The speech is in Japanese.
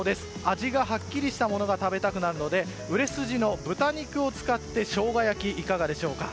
味がはっきりしたものが食べたくなるので売れ筋の豚肉を使ってしょうが焼き、いかがでしょうか。